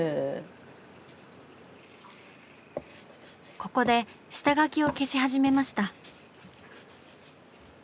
ここで下描きを消し始めました。